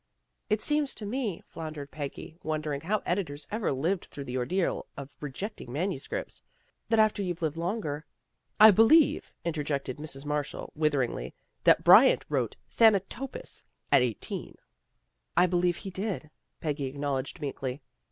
" It seems to me," floundered Peggy, won dering how editors ever lived through the or deal of rejecting manuscripts, " that after you've lived longer " I believe," interjected Mrs. Marshall with eringly, " that Bryant wrote ' Thanatopsis ' at eighteen." 146 THE GIRLS OF FRIENDLY TERRACE " I believe he did," Peggy acknowledged meekly.